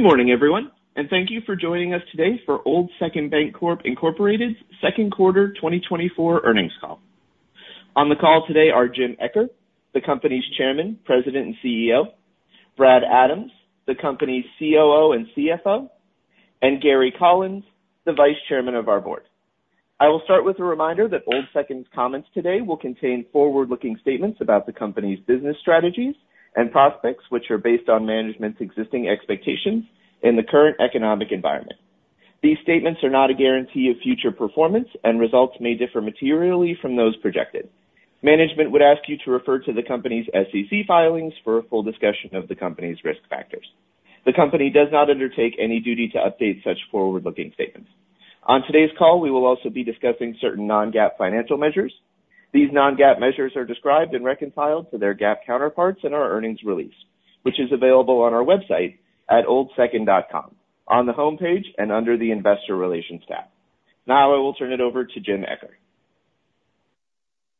Good morning, everyone, and thank you for joining us today for Old Second Bancorp's second quarter 2024 earnings call. On the call today are Jim Eccher, the company's Chairman, President, and CEO. Brad Adams, the company's COO and CFO. And Gary Collins, the Vice Chairman of our board. I will start with a reminder that Old Second's comments today will contain forward-looking statements about the company's business strategies and prospects, which are based on management's existing expectations in the current economic environment. These statements are not a guarantee of future performance, and results may differ materially from those projected. Management would ask you to refer to the company's SEC filings for a full discussion of the company's risk factors. The company does not undertake any duty to update such forward-looking statements. On today's call, we will also be discussing certain non-GAAP financial measures. These non-GAAP measures are described and reconciled to their GAAP counterparts in our earnings release, which is available on our website at oldsecond.com, on the homepage and under the Investor Relations tab. Now I will turn it over to Jim Eccher.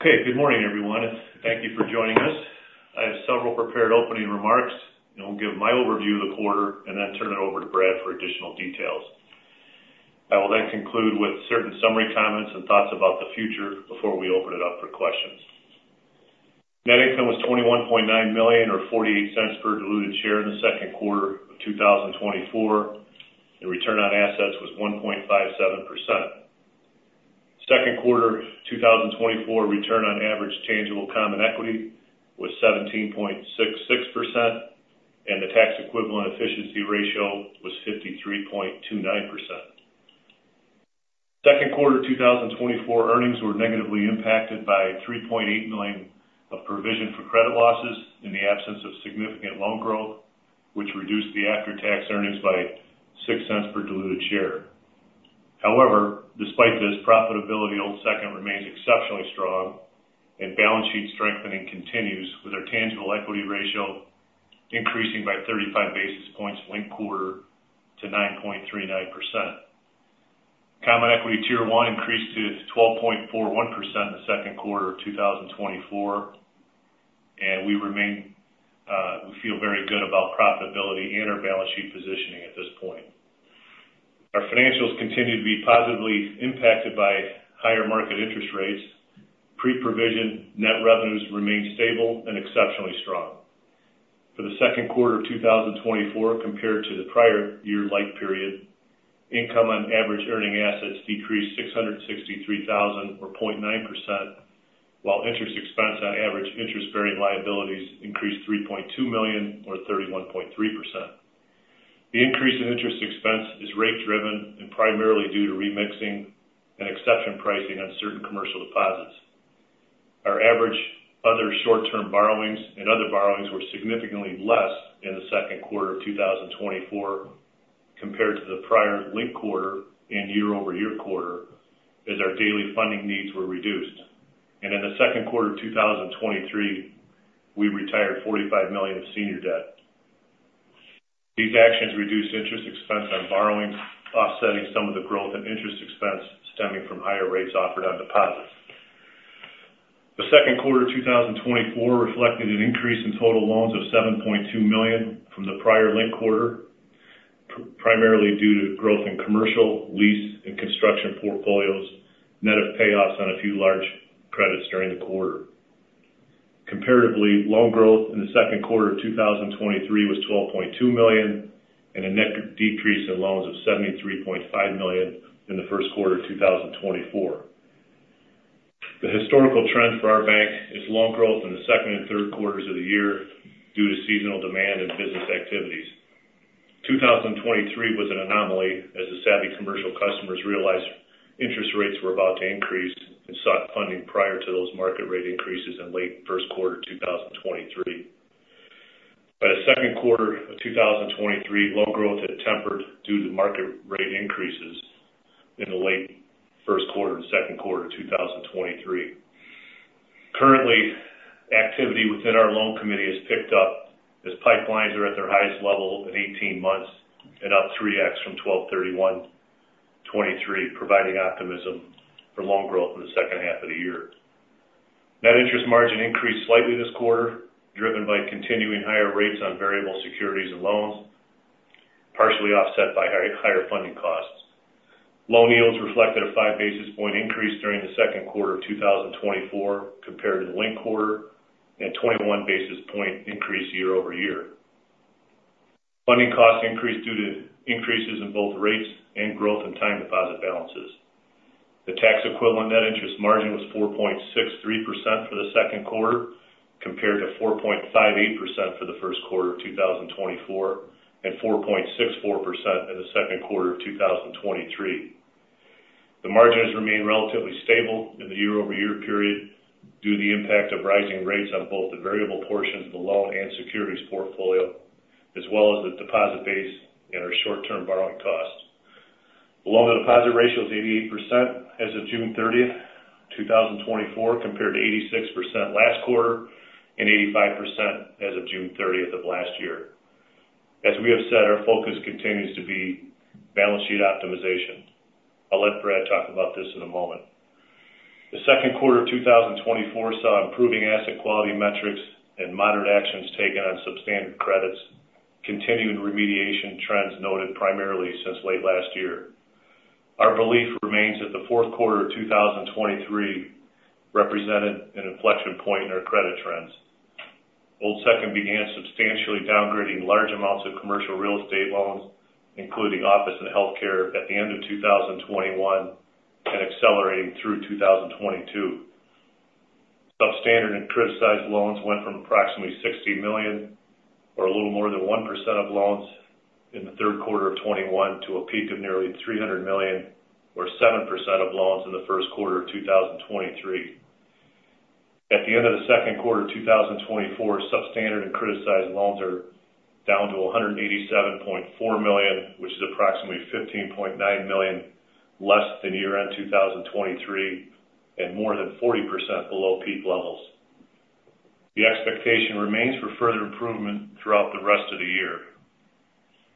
Okay. Good morning, everyone, and thank you for joining us. I have several prepared opening remarks, and I'll give my overview of the quarter and then turn it over to Brad for additional details. I will then conclude with certain summary comments and thoughts about the future before we open it up for questions. Net income was $21.9 million, or $0.48 per diluted share in the second quarter of 2024. The return on assets was 1.57%. Second quarter 2024 return on average tangible common equity was 17.66%, and the tax equivalent efficiency ratio was 53.29%. Second quarter 2024 earnings were negatively impacted by $3.8 million of provision for credit losses in the absence of significant loan growth, which reduced the after-tax earnings by $0.06 per diluted share. However, despite this profitability, Old Second remains exceptionally strong and balance sheet strengthening continues, with our tangible equity ratio increasing by 35 basis points linked quarter to 9.39%. Common Equity Tier 1 increased to 12.41% in the second quarter of 2024, and we remain, we feel very good about profitability and our balance sheet positioning at this point. Our financials continue to be positively impacted by higher market interest rates. Pre-provision net revenues remain stable and exceptionally strong. For the second quarter of 2024 compared to the prior year-ago period, income on average interest-earning assets decreased $663,000 or 0.9%, while interest expense on average interest-bearing liabilities increased $3.2 million or 31.3%. The increase in interest expense is rate driven and primarily due to repricing and exception pricing on certain commercial deposits. Our average other short-term borrowings and other borrowings were significantly less in the second quarter of 2024 compared to the prior linked quarter and year-over-year quarter as our daily funding needs were reduced. In the second quarter of 2023, we retired $45 million of senior debt. These actions reduced interest expense on borrowings, offsetting some of the growth in interest expense stemming from higher rates offered on deposits. The second quarter of 2024 reflected an increase in total loans of $7.2 million from the prior linked quarter, primarily due to growth in commercial, lease, and construction portfolios, net of payoffs on a few large credits during the quarter. Comparatively, loan growth in the second quarter of 2023 was $12.2 million and a net decrease in loans of $73.5 million in the first quarter of 2024. The historical trend for our bank is loan growth in the second and third quarters of the year due to seasonal demand and business activities. 2023 was an anomaly as the savvy commercial customers realized interest rates were about to increase and sought funding prior to those market rate increases in late first quarter 2023. By the second quarter of 2023, loan growth had tempered due to market rate increases in the late first quarter and second quarter of 2023. Currently, activity within our loan committee has picked up as pipelines are at their highest level in 18 months and up 3x from 12/31/2023, providing optimism for loan growth in the second half of the year. Net interest margin increased slightly this quarter, driven by continuing higher rates on variable securities and loans, partially offset by higher funding costs. Loan yields reflected a 5 basis point increase during the second quarter of 2024 compared to the linked quarter, and 21 basis point increase year-over-year. Funding costs increased due to increases in both rates and growth in time deposit balances. The tax equivalent net interest margin was 4.63% for the second quarter, compared to 4.58% for the first quarter of 2024, and 4.64% in the second quarter of 2023. The margins remain relatively stable in the year-over-year period due to the impact of rising rates on both the variable portions of the loan and securities portfolio, as well as the deposit base and our short-term borrowing costs. The loan-to-deposit ratio is 88% as of June 30th, 2024, compared to 86% last quarter and 85% as of June 30 of last year. As we have said, our focus continues to be balance sheet optimization. I'll let Brad talk about this in a moment. The second quarter of 2024 saw improving asset quality metrics and moderate actions taken on substandard credits, continued remediation trends noted primarily since late last year. Our belief remains that the fourth quarter of 2023 represented an inflection point in our credit trends. Old Second began substantially downgrading large amounts of commercial real estate loans, including office and healthcare, at the end of 2021 and accelerating through 2022. Substandard and criticized loans went from approximately $60 million, or a little more than 1% of loans in the third quarter of 2021, to a peak of nearly $300 million, or 7% of loans, in the first quarter of 2023. At the end of the second quarter of 2024, substandard and criticized loans are down to $187.4 million, which is approximately $15.9 million less than year-end 2023 and more than 40% below peak levels. The expectation remains for further improvement throughout the rest of the year.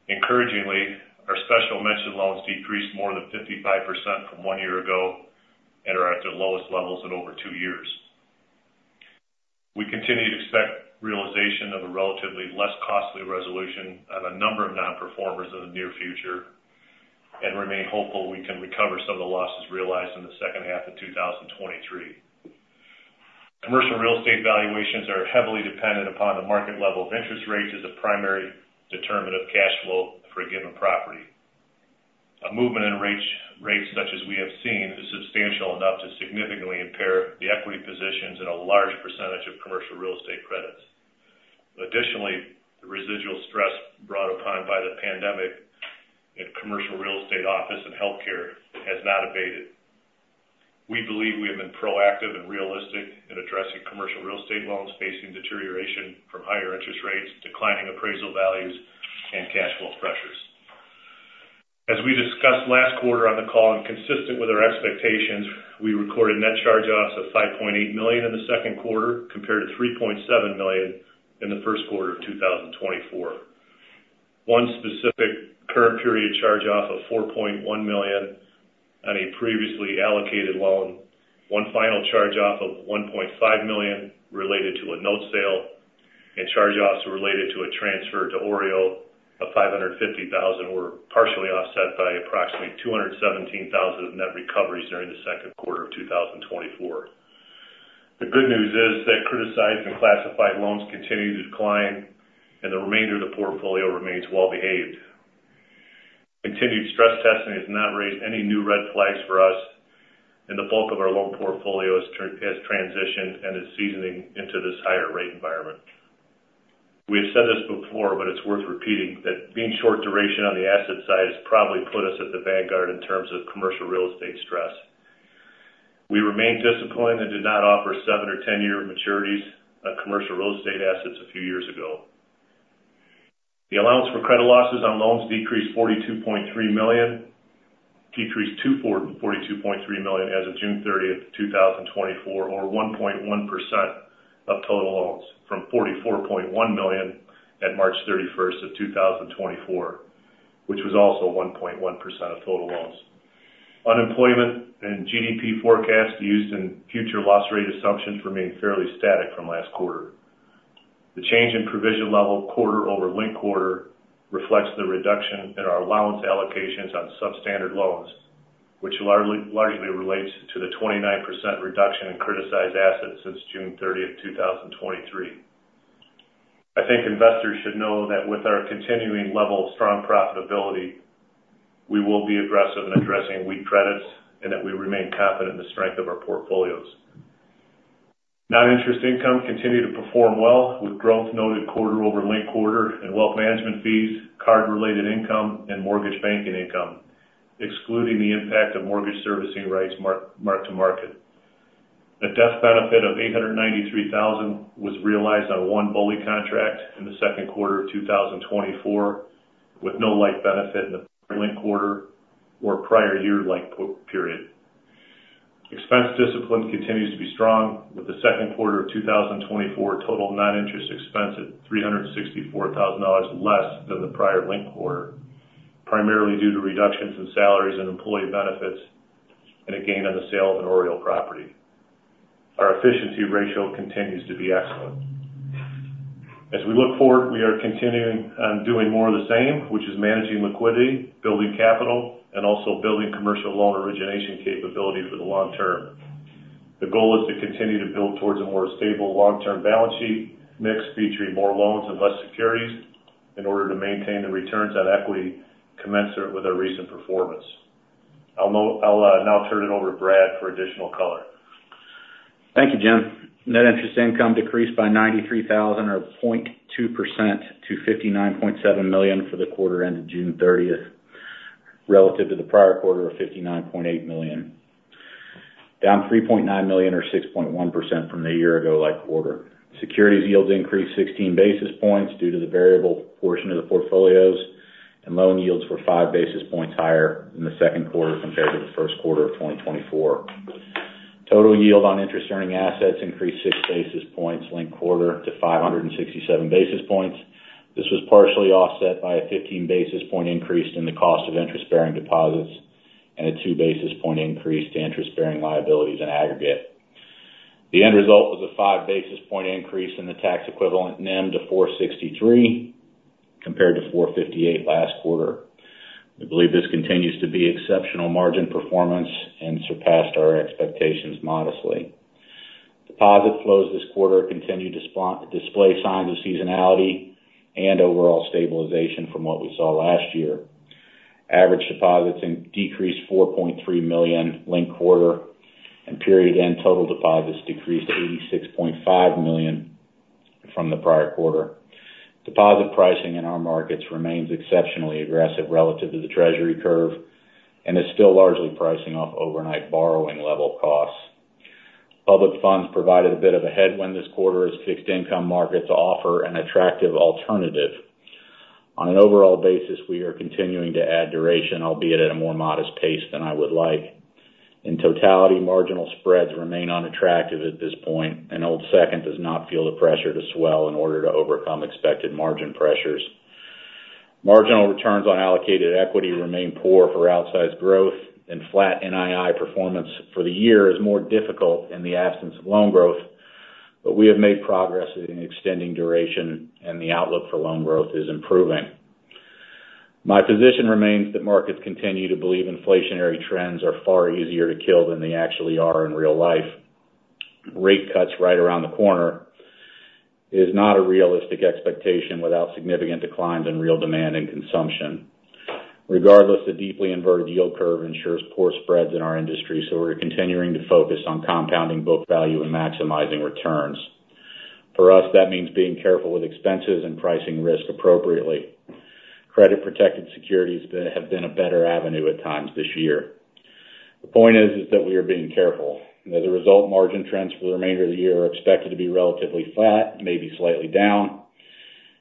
Encouragingly, our special mention loans decreased more than 55% from one year ago and are at their lowest levels in over two years. We continue to expect realization of a relatively less costly resolution on a number of nonperformers in the near future and remain hopeful we can recover some of the losses realized in the second half of 2023. Commercial real estate valuations are heavily dependent upon the market level of interest rates as a primary determinant of cash flow for a given property. A movement in range rates such as we have seen, is substantial enough to significantly impair the equity positions in a large percentage of commercial real estate credits. Additionally, the residual stress brought upon by the pandemic in commercial real estate, office and healthcare has not abated. We believe we have been proactive and realistic in addressing commercial real estate loans facing deterioration from higher interest rates, declining appraisal values and cash flow pressures. As we discussed last quarter on the call and consistent with our expectations, we recorded net charge-offs of $5.8 million in the second quarter, compared to $3.7 million in the first quarter of 2024. One specific current period charge-off of $4.1 million on a previously allocated loan, one final charge-off of $1.5 million related to a note sale and charge-offs related to a transfer to OREO of $550,000 were partially offset by approximately $217,000 in net recoveries during the second quarter of 2024. The good news is that criticized and classified loans continue to decline and the remainder of the portfolio remains well behaved. Continued stress testing has not raised any new red flags for us, and the bulk of our loan portfolio has transitioned and is seasoning into this higher rate environment. We have said this before, but it's worth repeating, that being short duration on the asset side has probably put us at the vanguard in terms of commercial real estate stress. We remain disciplined and did not offer 7- or 10-year maturities on commercial real estate assets a few years ago. The allowance for credit losses on loans decreased to $42.3 million as of June 30th, 2024, or 1.1% of total loans, from $44.1 million at March 31st, 2024, which was also 1.1% of total loans. Unemployment and GDP forecasts used in future loss rate assumptions remain fairly static from last quarter. The change in provision level quarter-over-quarter reflects the reduction in our allowance allocations on substandard loans, which largely relates to the 29% reduction in criticized assets since June 30th, 2023. I think investors should know that with our continuing level of strong profitability, we will be aggressive in addressing weak credits and that we remain confident in the strength of our portfolios. Non-interest income continued to perform well, with growth noted quarter-over-quarter and wealth management fees, card-related income and mortgage banking income, excluding the impact of mortgage servicing rights mark-to-market. A death benefit of $893,000 was realized on 1 BOLI contract in the second quarter of 2024, with no life benefit in the linked quarter or prior year like Q period. Expense discipline continues to be strong, with the second quarter of 2024 total non-interest expense at $364,000 less than the prior linked quarter, primarily due to reductions in salaries and employee benefits and a gain on the sale of an OREO property. Our Efficiency Ratio continues to be excellent. As we look forward, we are continuing on doing more of the same, which is managing Liquidity, building capital and also building commercial loan origination capability for the long term. The goal is to continue to build towards a more stable long-term Balance Sheet mix, featuring more loans and less securities, in order to maintain the returns on equity commensurate with our recent performance. I'll now turn it over to Brad for additional color. Thank you, Jim. Net interest income decreased by $93,000 or 0.2% to $59.7 million for the quarter ended June thirtieth, relative to the prior quarter of $59.8 million. Down $3.9 million or 6.1% from the year-ago linked quarter. Securities yields increased 16 basis points due to the variable portion of the portfolios, and loan yields were 5 basis points higher in the second quarter compared to the first quarter of 2024. Total yield on interest-earning assets increased 6 basis points linked quarter to 567 basis points. This was partially offset by a 15 basis point increase in the cost of interest-bearing deposits and a 2 basis point increase to interest-bearing liabilities in aggregate. The end result was a 5 basis point increase in the tax equivalent NIM to 463, compared to 458 last quarter. We believe this continues to be exceptional margin performance and surpassed our expectations modestly. Deposit flows this quarter continued to display signs of seasonality and overall stabilization from what we saw last year. Average deposits decreased $4.3 million linked quarter, and period-end total deposits decreased $86.5 million from the prior quarter. Deposit pricing in our markets remains exceptionally aggressive relative to the treasury curve, and is still largely pricing off overnight borrowing level costs. Public funds provided a bit of a headwind this quarter as fixed income markets offer an attractive alternative. On an overall basis, we are continuing to add duration, albeit at a more modest pace than I would like. In totality, marginal spreads remain unattractive at this point, and Old Second does not feel the pressure to swell in order to overcome expected margin pressures. Marginal returns on allocated equity remain poor for outsized growth, and flat NII performance for the year is more difficult in the absence of loan growth. But we have made progress in extending duration, and the outlook for loan growth is improving. My position remains that markets continue to believe inflationary trends are far easier to kill than they actually are in real life. Rate cuts right around the corner is not a realistic expectation without significant declines in real demand and consumption. Regardless, the deeply inverted yield curve ensures poor spreads in our industry, so we're continuing to focus on compounding book value and maximizing returns. For us, that means being careful with expenses and pricing risk appropriately. Credit-protected securities have been a better avenue at times this year. The point is that we are being careful. As a result, margin trends for the remainder of the year are expected to be relatively flat, maybe slightly down.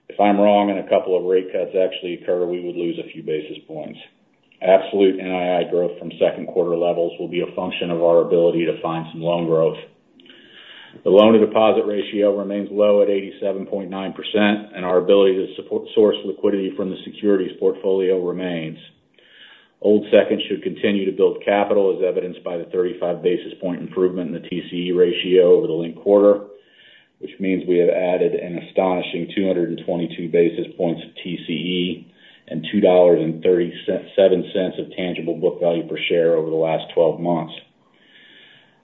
If I'm wrong and a couple of rate cuts actually occur, we would lose a few basis points. Absolute NII growth from second quarter levels will be a function of our ability to find some loan growth. The loan-to-deposit ratio remains low at 87.9%, and our ability to source liquidity from the securities portfolio remains. Old Second should continue to build capital, as evidenced by the 35 basis point improvement in the TCE ratio over the linked quarter, which means we have added an astonishing 222 basis points of TCE and $2.37 of tangible book value per share over the last 12 months.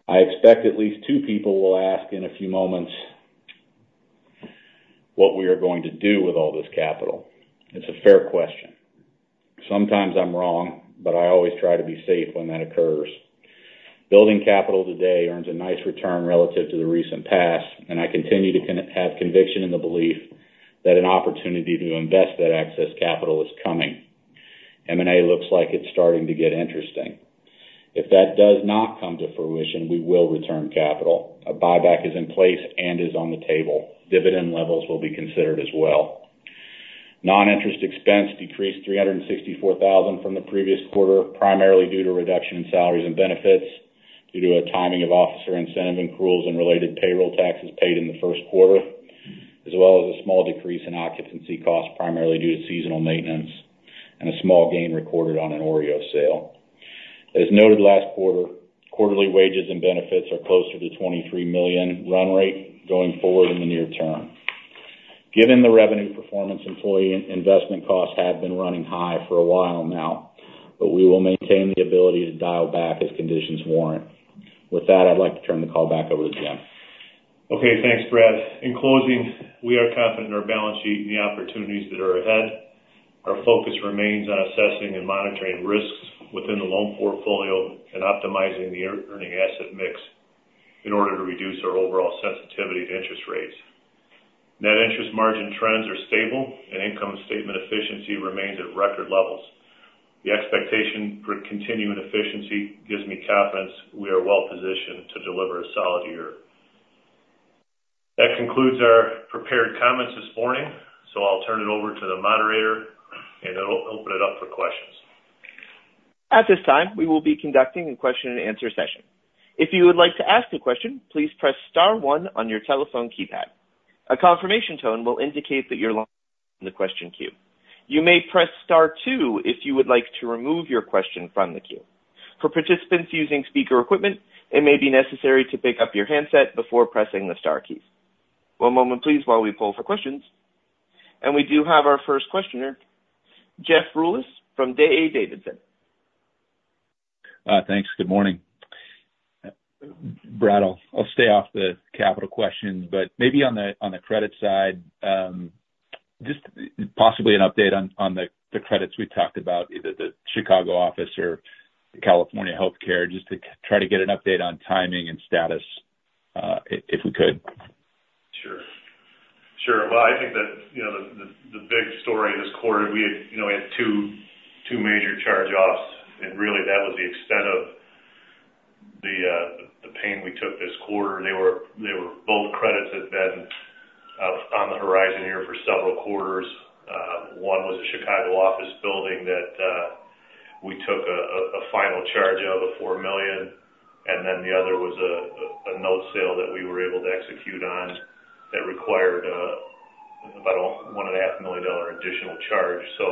I expect at least two people will ask in a few moments what we are going to do with all this capital. It's a fair question. Sometimes I'm wrong, but I always try to be safe when that occurs. Building capital today earns a nice return relative to the recent past, and I continue to have conviction in the belief that an opportunity to invest that excess capital is coming. M&A looks like it's starting to get interesting. If that does not come to fruition, we will return capital. A buyback is in place and is on the table. Dividend levels will be considered as well. Non-interest expense decreased $364,000 from the previous quarter, primarily due to a reduction in salaries and benefits due to a timing of officer incentive accruals and related payroll taxes paid in the first quarter, as well as a small decrease in occupancy costs, primarily due to seasonal maintenance and a small gain recorded on an OREO sale. As noted last quarter, quarterly wages and benefits are closer to $23 million run rate going forward in the near term. Given the revenue performance, employee investment costs have been running high for a while now, but we will maintain the ability to dial back as conditions warrant. With that, I'd like to turn the call back over to Jim. Okay, thanks, Brad. In closing, we are confident in our balance sheet and the opportunities that are ahead. Our focus remains on assessing and monitoring risks within the loan portfolio and optimizing the interest-earning asset mix in order to reduce our overall sensitivity to interest rates. Net interest margin trends are stable and income statement efficiency remains at record levels. The expectation for continuing efficiency gives me confidence we are well positioned to deliver a solid year. That concludes our prepared comments this morning, so I'll turn it over to the moderator and open it up for questions. At this time, we will be conducting a question-and-answer session. If you would like to ask a question, please press star one on your telephone keypad. A confirmation tone will indicate that you're in the question queue. You may press star two if you would like to remove your question from the queue. For participants using speaker equipment, it may be necessary to pick up your handset before pressing the star key. One moment, please, while we pull for questions. We do have our first questioner, Jeff Rulis from D.A. Davidson. Thanks. Good morning. Brad, I'll stay off the capital questions, but maybe on the credit side, just possibly an update on the credits we talked about, either the Chicago office or the California Healthcare, just to try to get an update on timing and status, if we could. Sure. Sure. Well, I think that, you know, the big story this quarter, we had, you know, we had two, two major charge-offs, and really, that was the extent of the pain we took this quarter. They were, they were both credits that had been on the horizon here for several quarters. ...One was a Chicago office building that we took a final charge out of the $4 million, and then the other was a note sale that we were able to execute on that required about a $1.5 million additional charge. So,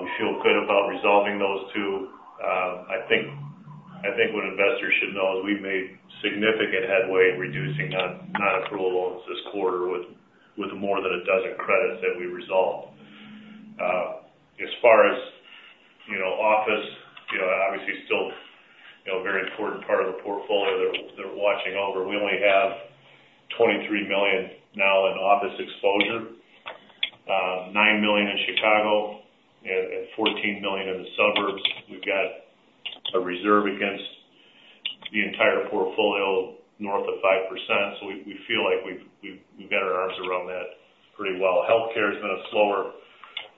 we feel good about resolving those two. I think what investors should know is we've made significant headway in reducing non-accrual loans this quarter, with more than a dozen credits that we resolved. As far as, you know, office, you know, obviously still, you know, a very important part of the portfolio that we're watching over. We only have $23 million now in office exposure. $9 million in Chicago and $14 million in the suburbs. We've got a reserve against the entire portfolio, north of 5%, so we feel like we've got our arms around that pretty well. Healthcare has been a slower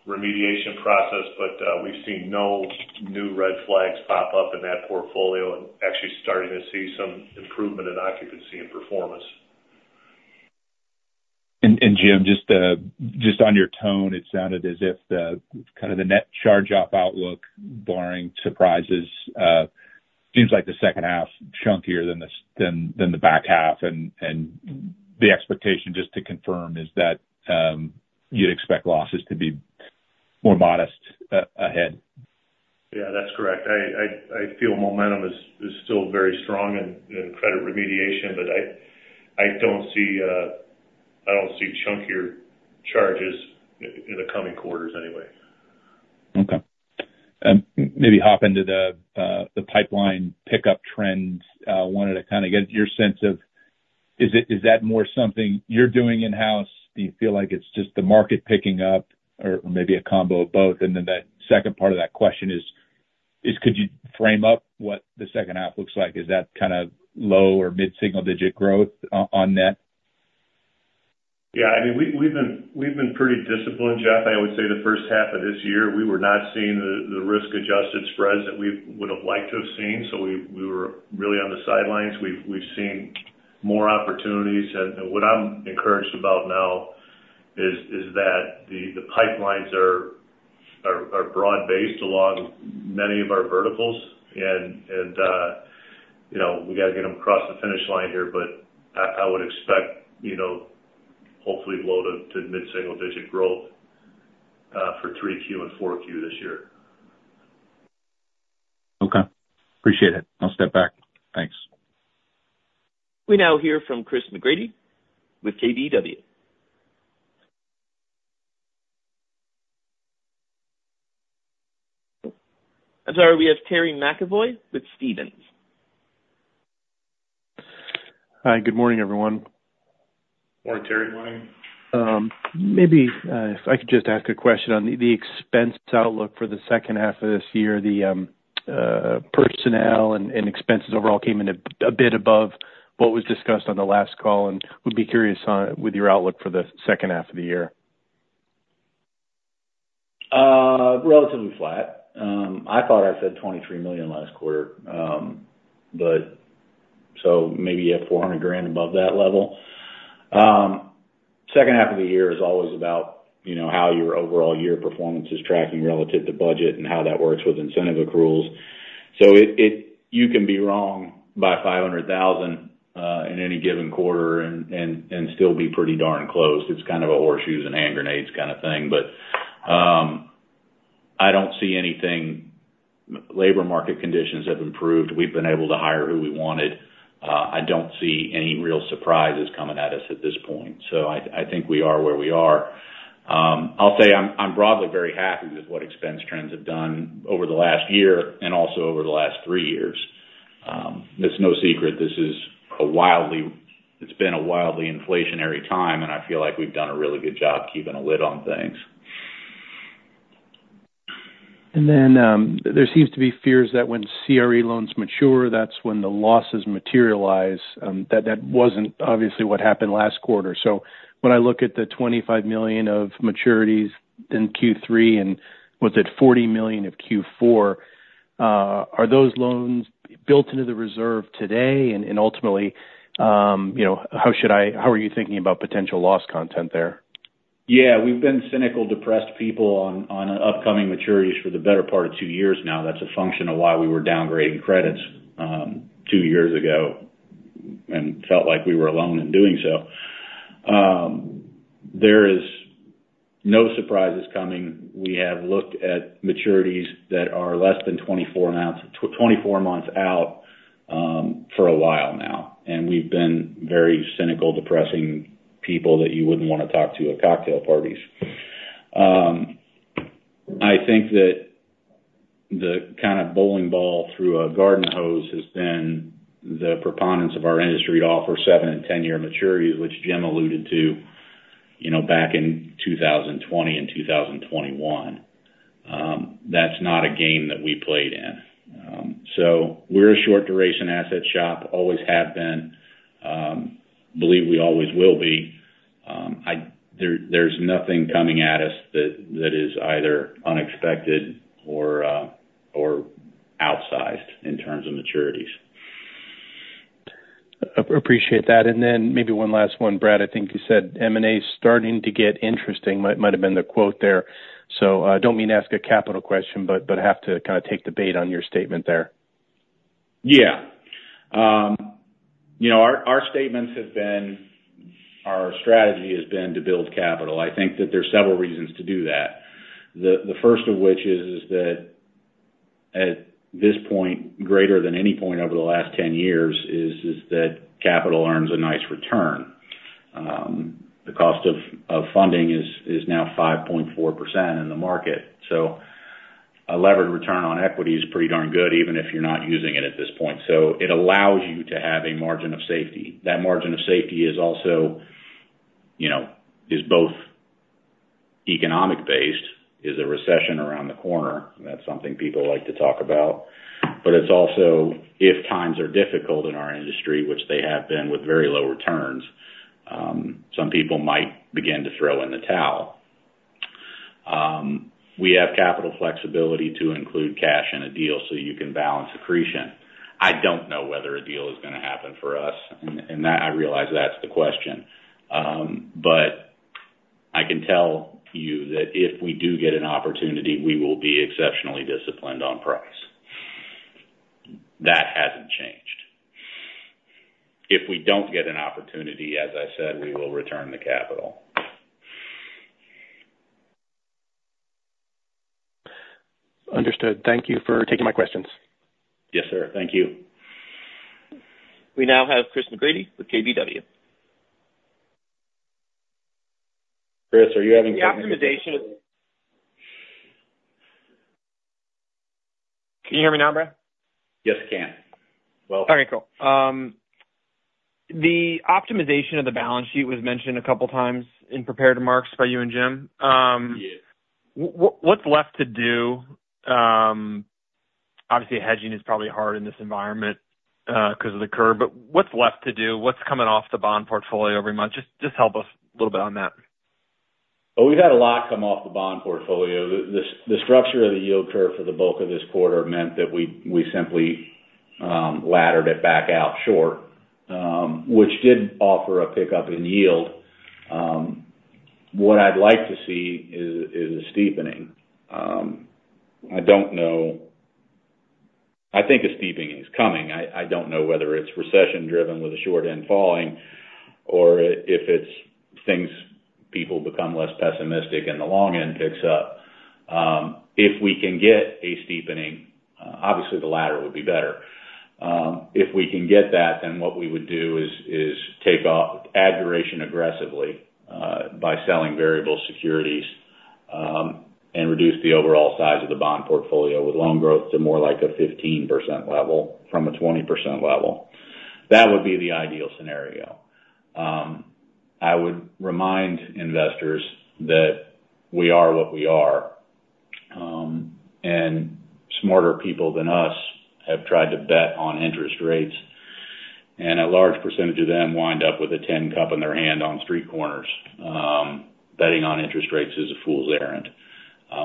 remediation process, but we've seen no new red flags pop up in that portfolio and actually starting to see some improvement in occupancy and performance. And Jim, just, just on your tone, it sounded as if the, kind of the net charge off outlook, barring surprises, seems like the second half chunkier than the back half. And the expectation, just to confirm, is that you'd expect losses to be more modest ahead? Yeah, that's correct. I feel momentum is still very strong in credit remediation, but I don't see chunkier charges in the coming quarters anyway. Okay. Maybe hop into the, the pipeline pickup trends. Wanted to kind of get your sense of, is it-- is that more something you're doing in-house? Do you feel like it's just the market picking up or, or maybe a combo of both? And then the second part of that question is, could you frame up what the second half looks like? Is that kind of low or mid-single digit growth on net? Yeah. I mean, we've been pretty disciplined, Jeff. I would say the first half of this year, we were not seeing the risk-adjusted spreads that we would have liked to have seen, so we were really on the sidelines. We've seen more opportunities. And, you know, we gotta get them across the finish line here, but I would expect, you know, hopefully low- to mid-single-digit growth for 3Q and 4Q this year. Okay, appreciate it. I'll step back. Thanks. We now hear from Chris McGratty with KBW. I'm sorry, we have Terry McEvoy with Stephens. Hi, good morning, everyone. Morning, Terry. Morning. Maybe, if I could just ask a question on the expense outlook for the second half of this year. The personnel and expenses overall came in a bit above what was discussed on the last call, and would be curious on, with your outlook for the second half of the year. Relatively flat. I thought I said $23 million last quarter. But so maybe at $400,000 above that level. Second half of the year is always about, you know, how your overall year performance is tracking relative to budget and how that works with Incentive Accruals. So it... You can be wrong by $500,000 in any given quarter and still be pretty darn close. It's kind of a horseshoes and hand grenades kind of thing, but I don't see anything. Labor market conditions have improved. We've been able to hire who we wanted. I don't see any real surprises coming at us at this point. So I think we are where we are. I'll say I'm broadly very happy with what expense trends have done over the last year and also over the last three years. It's no secret. It's been a wildly inflationary time, and I feel like we've done a really good job keeping a lid on things. And then, there seems to be fears that when CRE loans mature, that's when the losses materialize, that, that wasn't obviously what happened last quarter. So when I look at the $25 million of maturities in Q3, and was it $40 million of Q4, are those loans built into the reserve today? And, and ultimately, you know, how should I-- how are you thinking about potential loss content there? Yeah, we've been cynical, depressed people on upcoming maturities for the better part of two years now. That's a function of why we were downgrading credits two years ago and felt like we were alone in doing so. There is no surprises coming. We have looked at maturities that are less than 24 months, 24 months out, for a while now, and we've been very cynical, depressing people that you wouldn't want to talk to at cocktail parties. I think that the kind of bowling ball through a garden hose has been the preponderance of our industry to offer 7- and 10-year maturities, which Jim alluded to, you know, back in 2020 and 2021. That's not a game that we played in. So we're a short-duration asset shop. Always have been. Believe we always will be. There's nothing coming at us that is either unexpected or outsized in terms of maturities.... Appreciate that. And then maybe one last one, Brad. I think you said M&A is starting to get interesting. Might have been the quote there. So, don't mean to ask a capital question, but I have to kind of take the bait on your statement there. Yeah. You know, our statements have been... Our strategy has been to build capital. I think that there are several reasons to do that. The first of which is that, at this point, greater than any point over the last 10 years, is that capital earns a nice return. The cost of funding is now 5.4% in the market, so a levered return on Equity is pretty darn good, even if you're not using it at this point. So it allows you to have a margin of safety. That margin of safety is also, you know, both economic based, is a recession around the corner, and that's something people like to talk about. But it's also, if times are difficult in our industry, which they have been, with very low returns, some people might begin to throw in the towel. We have Capital flexibility to include cash in a deal, so you can balance accretion. I don't know whether a deal is gonna happen for us, and that I realize that's the question. But I can tell you that if we do get an opportunity, we will be exceptionally disciplined on price. That hasn't changed. If we don't get an opportunity, as I said, we will return the capital. Understood. Thank you for taking my questions. Yes, sir. Thank you. We now have Chris McGratty with KBW. Chris, are you having? Can you hear me now, Brad? Yes, I can. Well, all right. Cool. The optimization of the Balance Sheet was mentioned a couple times in prepared remarks by you and Jim. Yes. What's left to do? Obviously, hedging is probably hard in this environment, because of the curve, but what's left to do? What's coming off the Bond Portfolio every month? Just help us a little bit on that. Well, we've had a lot come off the Bond Portfolio. The structure of the yield curve for the bulk of this quarter meant that we simply laddered it back out short, which did offer a pickup in yield. What I'd like to see is a steepening. I don't know... I think a steepening is coming. I don't know whether it's recession driven with a short-end falling, or if it's things people become less pessimistic and the long end picks up. If we can get a steepening, obviously the latter would be better. If we can get that, then what we would do is take off, add duration aggressively, by selling variable securities, and reduce the overall size of the Bond Portfolio with loan growth to more like a 15% level from a 20% level. That would be the ideal scenario. I would remind investors that we are what we are, and smarter people than us have tried to bet on interest rates, and a large percentage of them wind up with a tin cup in their hand on street corners. Betting on interest rates is a fool's errand.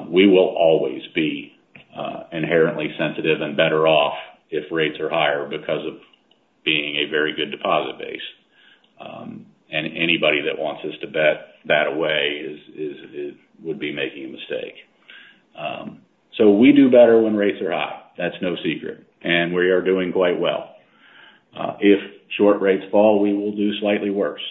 We will always be inherently sensitive and better off if rates are higher, because of being a very good deposit base. And anybody that wants us to bet that away would be making a mistake. So we do better when rates are high. That's no secret, and we are doing quite well. If short rates fall, we will do slightly worse.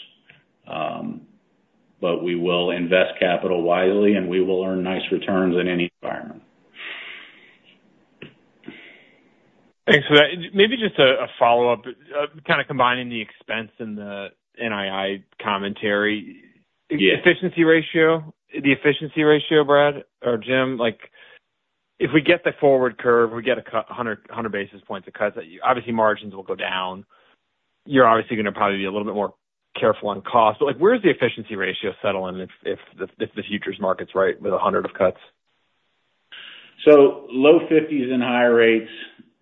But we will invest capital wisely, and we will earn nice returns in any environment. Thanks for that. Maybe just a follow-up, kind of combining the expense and the NII commentary. Yeah. Efficiency ratio, the Efficiency Ratio, Brad or Jim, like, if we get the forward curve, we get a cut, 100 basis points of cuts, obviously, margins will go down. You're obviously gonna probably be a little bit more careful on cost, but, like, where does the efficiency ratio settle in if, if the, if the futures market's right with 100 cuts? So low 50s and higher rates,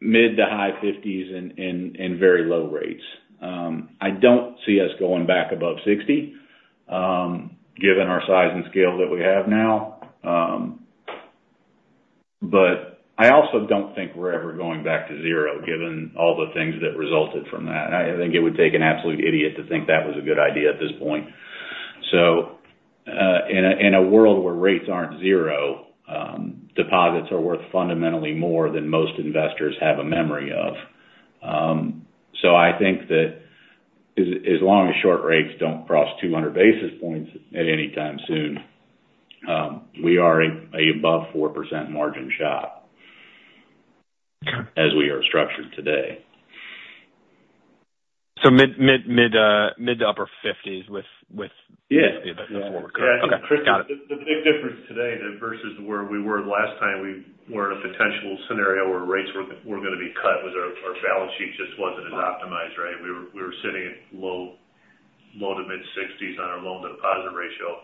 mid- to high 50s in very low rates. I don't see us going back above 60, given our size and scale that we have now. But I also don't think we're ever going back to zero, given all the things that resulted from that. I think it would take an absolute idiot to think that was a good idea at this point. So, in a world where rates aren't zero, deposits are worth fundamentally more than most investors have a memory of. So I think that as long as short rates don't cross 200 basis points at any time soon, we are above 4% margin shop- Okay... as we are structured today. So mid to upper fifties with, with- Yes. the former. Okay, got it. The big difference today than versus where we were last time, we were in a potential scenario where rates were gonna be cut, was our Balance Sheet just wasn't as optimized, right? We were sitting at low to mid sixties on our loan-to-deposit ratio.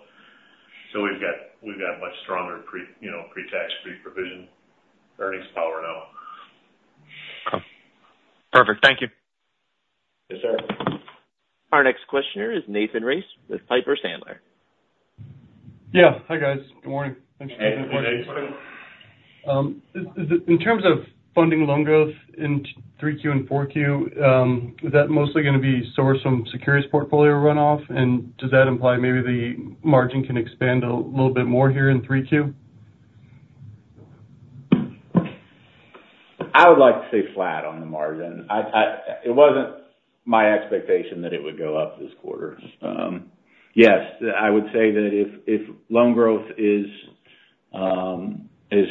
So we've got much stronger, you know, pre-tax, pre-provision earnings power now. Okay. Perfect. Thank you. Yes, sir. Our next questioner is Nathan Race with Piper Sandler.... Yeah. Hi, guys. Good morning. Thanks for taking my call. Hey, good morning. Is it, in terms of funding loan growth in 3Q and 4Q, is that mostly gonna be sourced from securities portfolio runoff? Does that imply maybe the margin can expand a little bit more here in 3Q? I would like to stay flat on the margin. It wasn't my expectation that it would go up this quarter. Yes, I would say that if loan growth is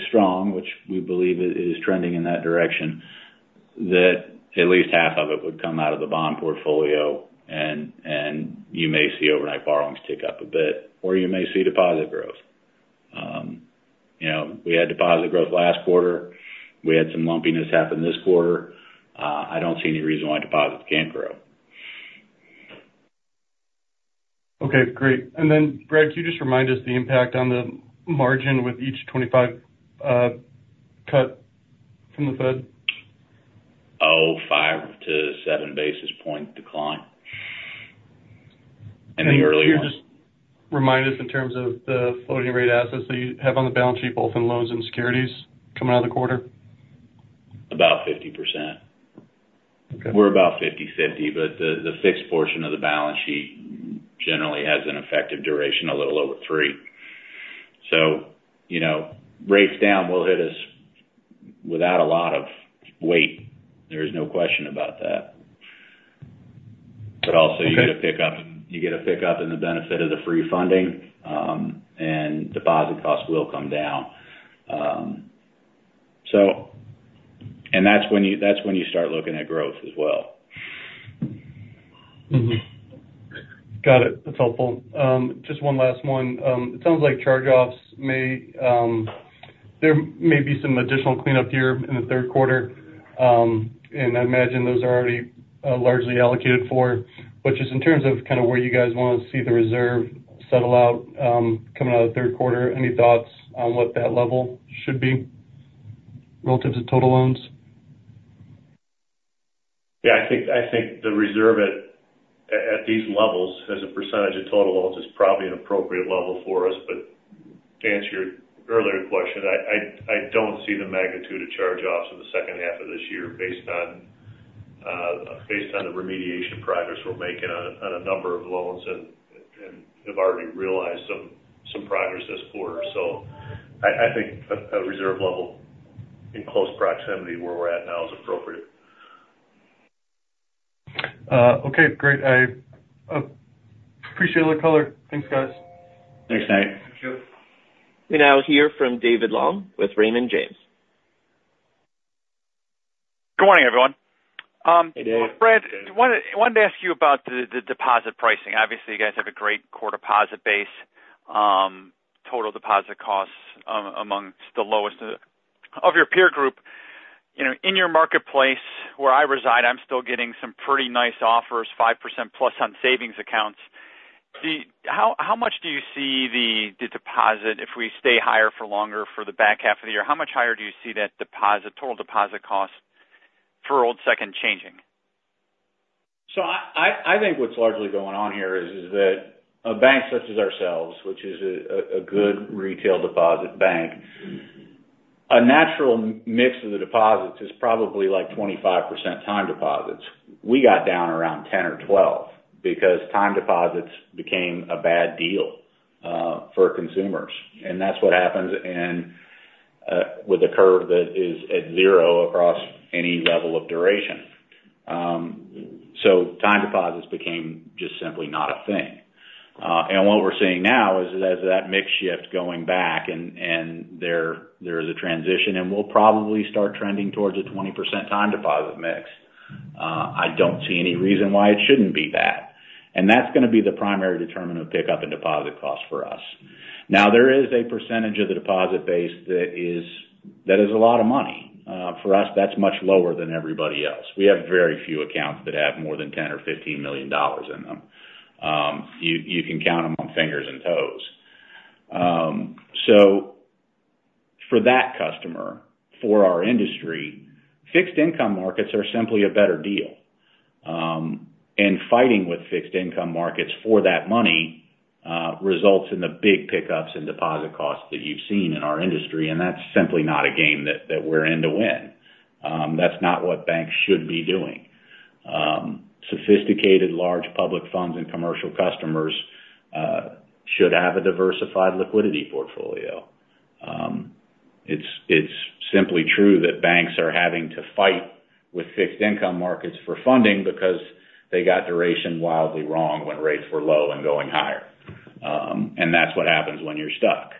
strong, which we believe it is trending in that direction, that at least half of it would come out of the bond portfolio, and you may see overnight borrowings tick up a bit, or you may see deposit growth. You know, we had deposit growth last quarter. We had some lumpiness happen this quarter. I don't see any reason why deposits can't grow. Okay, great. And then, Greg, can you just remind us the impact on the margin with each 25 cut from the Fed? Oh, 5-7 basis points decline. In the earlier- Can you just remind us in terms of the floating rate assets that you have on the balance sheet, both in loans and securities, coming out of the quarter? About 50%. Okay. We're about 50/50, but the fixed portion of the balance sheet generally has an effective duration a little over three. So, you know, rates down will hit us without a lot of weight. There is no question about that. Okay. But also, you get a pickup, you get a pickup in the benefit of the free funding, and deposit costs will come down. So ... And that's when you, that's when you start looking at growth as well. Mm-hmm. Got it. That's helpful. Just one last one. It sounds like charge-offs may, there may be some additional cleanup here in the third quarter. And I imagine those are already, largely allocated for, but just in terms of kind of where you guys want to see the reserve settle out, coming out of the third quarter, any thoughts on what that level should be relative to total loans? Yeah, I think the reserve at these levels, as a percentage of total loans, is probably an appropriate level for us. But to answer your earlier question, I don't see the magnitude of charge-offs in the second half of this year based on the remediation progress we're making on a number of loans and have already realized some progress this quarter. So I think a reserve level in close proximity where we're at now is appropriate. Okay, great. I appreciate all the color. Thanks, guys. Thanks, Nate. Thank you. We now hear from David Long with Raymond James. Good morning, everyone. Hey, Dave. Brad, I wanted to ask you about the deposit pricing. Obviously, you guys have a great core deposit base. Total deposit costs amongst the lowest of your peer group. You know, in your marketplace where I reside, I'm still getting some pretty nice offers, 5%+ on savings accounts. How much do you see the deposit, if we stay higher for longer for the back half of the year, how much higher do you see that deposit, total deposit cost for Old Second changing? So I think what's largely going on here is that a bank such as ourselves, which is a good retail deposit bank, a natural mix of the deposits is probably like 25% Time Deposits. We got down around 10 or 12 because Time Deposits became a bad deal for consumers, and that's what happens in with a curve that is at zero across any level of duration. So time deposits became just simply not a thing. And what we're seeing now is, as that mix shifts going back and there is a transition, and we'll probably start trending towards a 20% Time Deposit mix. I don't see any reason why it shouldn't be that. And that's gonna be the primary determinant of pickup and deposit costs for us. Now, there is a percentage of the deposit base that is a lot of money. For us, that's much lower than everybody else. We have very few accounts that have more than $10 or $15 million in them. You can count them on fingers and toes. So for that customer, for our industry, fixed income markets are simply a better deal. And fighting with fixed income markets for that money results in the big pickups in deposit costs that you've seen in our industry, and that's simply not a game that we're in to win. That's not what banks should be doing. Sophisticated large public funds and commercial customers should have a diversified Liquidity portfolio. It's simply true that banks are having to fight with fixed income markets for funding because they got duration wildly wrong when rates were low and going higher. And that's what happens when you're stuck.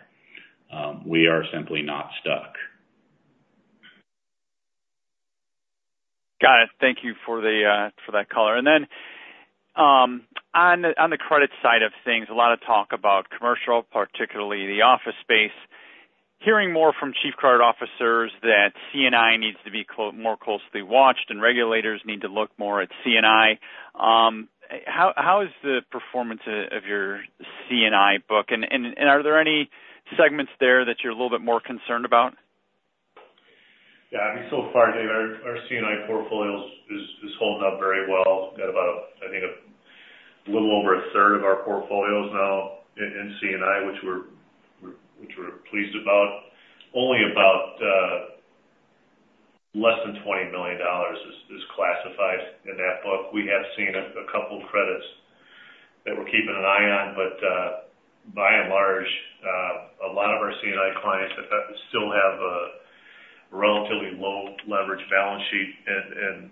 We are simply not stuck. Got it. Thank you for the, for that color. And then, on the credit side of things, a lot of talk about commercial, particularly the office space. Hearing more from Chief Credit Officers that C&I needs to be more closely watched and regulators need to look more at C&I. How is the performance of your C&I book, and are there any segments there that you're a little bit more concerned about? ... Yeah, I mean, so far, Dave, our C&I portfolios is holding up very well. Got about, I think, a little over a third of our portfolios now in C&I, which we're pleased about. Only about less than $20 million is classified in that book. We have seen a couple credits that we're keeping an eye on, but by and large, a lot of our C&I clients still have a relatively low leverage Balance Sheet and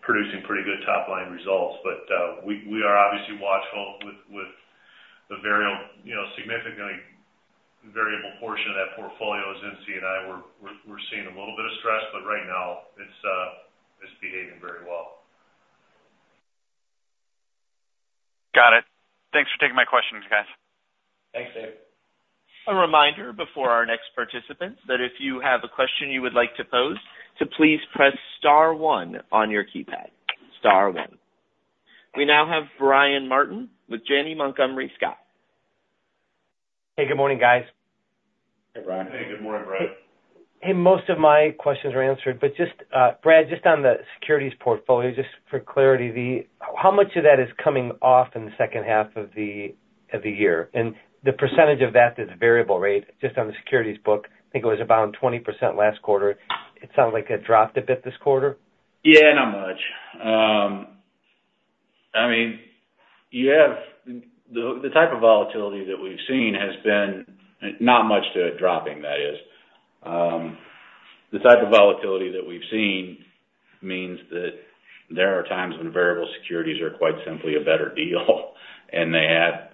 producing pretty good top line results. But we are obviously watchful with the variable, you know, significantly variable portion of that portfolio is in C&I. We're seeing a little bit of stress, but right now, it's behaving very well. Got it. Thanks for taking my questions, guys. Thanks, Dave. A reminder before our next participants, that if you have a question you would like to pose, to please press star one on your keypad. Star one. We now have Brian Martin with Janney Montgomery Scott. Hey, good morning, guys. Hey, Brian. Hey, good morning, Brian. Hey, most of my questions are answered, but just, Brad, just on the securities portfolio, just for clarity, how much of that is coming off in the second half of the year? And the percentage of that that's variable rate, just on the securities book, I think it was about 20% last quarter. It sounded like it dropped a bit this quarter. Yeah, not much. I mean, you have the type of volatility that we've seen has been not much to a dropping, that is. The type of volatility that we've seen means that there are times when variable securities are quite simply a better deal, and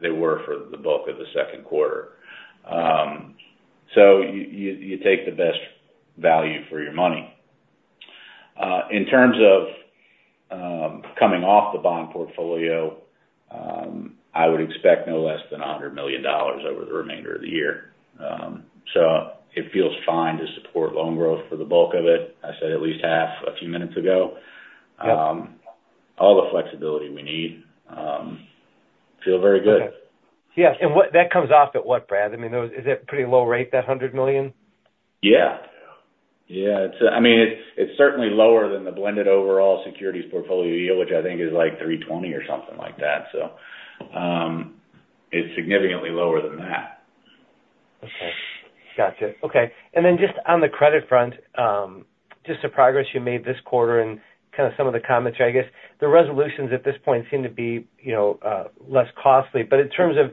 they were for the bulk of the second quarter. So you take the best value for your money. In terms of coming off the bond portfolio, I would expect no less than $100 million over the remainder of the year. So it feels fine to support loan growth for the bulk of it. I said at least half a few minutes ago. Yep. All the flexibility we need, feel very good. Yes. And what that comes off at what, Brad? I mean, those is it pretty low rate, that $100 million? Yeah. Yeah, it's, I mean, it's, it's certainly lower than the blended overall securities portfolio yield, which I think is like 3.20 or something like that. So, it's significantly lower than that. Okay. Gotcha. Okay, and then just on the credit front, just the progress you made this quarter and kind of some of the comments, I guess, the resolutions at this point seem to be, you know, less costly. But in terms of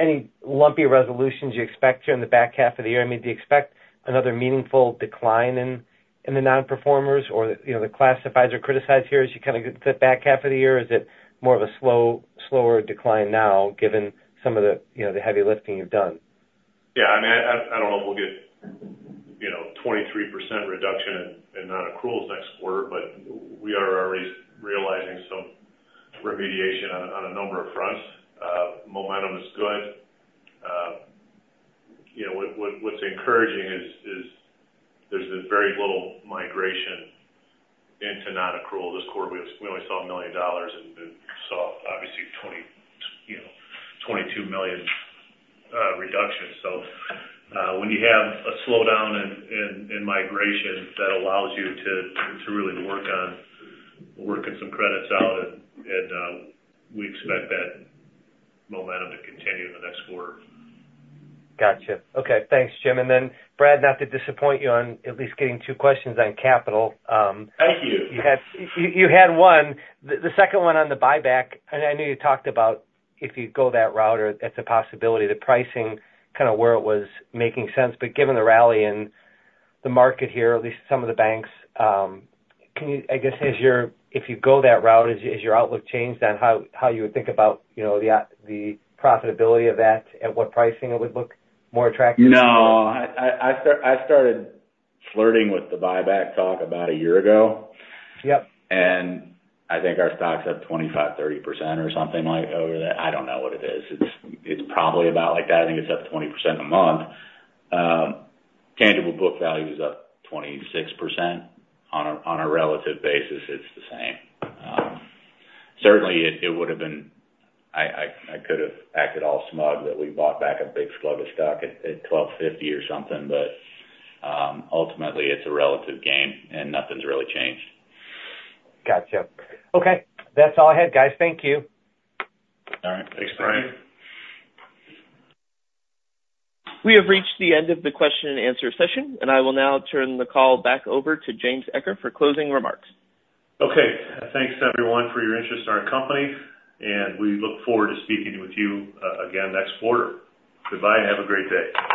any lumpy resolutions you expect here in the back half of the year, I mean, do you expect another meaningful decline in the non-performers or, you know, the classifieds or criticized here as you kind of get the back half of the year? Is it more of a slower decline now, given some of the, you know, the heavy lifting you've done? Yeah, I mean, I don't know if we'll get, you know, 23% reduction in Non-accruals next quarter, but we are already realizing some remediation on a number of fronts. Momentum is good. You know, what's encouraging is there's been very little migration into Non-accrual. This quarter, we only saw $1 million and saw obviously twenty, you know, $22 million reduction. So, when you have a slowdown in migration, that allows you to really work on working some credits out and we expect that momentum to continue in the next quarter. Gotcha. Okay. Thanks, Jim. And then, Brad, not to disappoint you on at least getting two questions on capital, Thank you. You had one. The second one on the Buyback, and I know you talked about if you go that route or if that's a possibility, the pricing kind of where it was making sense. But given the rally in the market here, at least some of the banks, can you—I guess, as your—if you go that route, has your outlook changed on how you would think about, you know, the profitability of that? At what pricing it would look more attractive? No, I started flirting with the Buyback talk about a year ago. Yep. I think our stock's up 25-30% or something like over that. I don't know what it is. It's, it's probably about like that. I think it's up 20% a month. Tangible book value is up 26%. On a relative basis, it's the same. Certainly, it would've been. I could have acted all smug that we bought back a big slug of stock at $12.50 or something, but ultimately, it's a relative game, and nothing's really changed. Gotcha. Okay. That's all I had, guys. Thank you. All right. Thanks, Brian. We have reached the end of the question and answer session, and I will now turn the call back over to James Eccher for closing remarks. Okay. Thanks, everyone, for your interest in our company, and we look forward to speaking with you again next quarter. Goodbye, and have a great day.